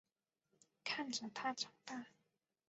看着他长大